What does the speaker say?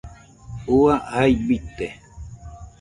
Ua, jai bite